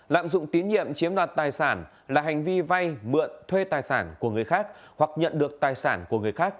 lạm dụng tín nhiệm chiếm đoạt tài sản là hành vi vay mượn thuê tài sản của người khác hoặc nhận được tài sản của người khác